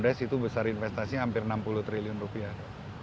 di situ besar investasi hampir enam puluh triliun rupiah